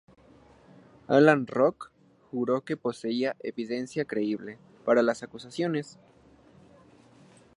Allan Rock juró que poseía "evidencia creíble" para las acusaciones.